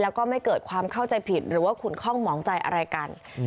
แล้วก็ไม่เกิดความเข้าใจผิดหรือว่าขุนคล่องหมองใจอะไรกัน